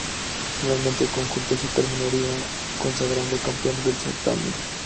Finalmente el conjunto se terminaría consagrando campeón del certamen.